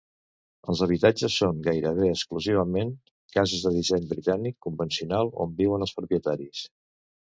El habitatges són gairebé exclusivament cases de disseny britànic convencional on viuen els propietaris.